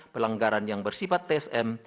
pelanggaran yang bersifat tsm